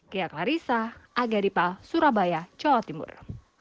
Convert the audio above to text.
gaya klarisa agaripal surabaya jawa timur